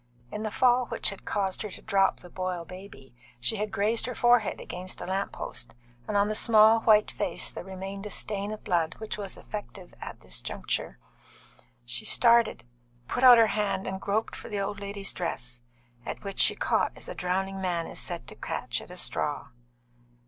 In the fall which had caused her to drop the Boyle baby, she had grazed her forehead against a lamp post, and on the small, white face there remained a stain of blood which was effective at this juncture. She started, put out her hand, and groped for the old lady's dress, at which she caught as a drowning man is said to catch at a straw.